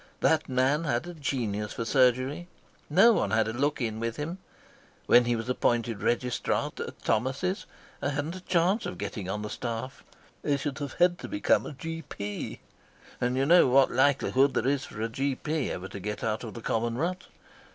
That man had a genius for surgery. No one had a look in with him. When he was appointed Registrar at Thomas's I hadn't a chance of getting on the staff. I should have had to become a G.P., and you know what likelihood there is for a G.P. ever to get out of the common rut.